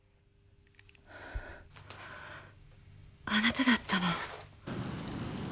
あぁあなただったの。